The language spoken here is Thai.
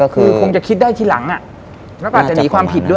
คือคงจะคิดได้ทีหลังแล้วก็อาจจะหนีความผิดด้วย